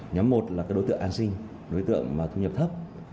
nhóm một là đối tượng an sinh đối tượng mà thu nhập thấp